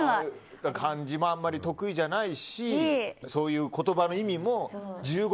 漢字もあまり得意じゃないしそういう言葉の意味も。